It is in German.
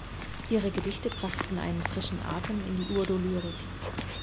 Ihre Gedichte brachten einen frischen Atem in die Urdu-Lyrik.